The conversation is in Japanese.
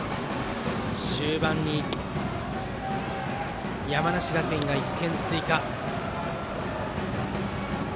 終盤に山梨学院が１点追加。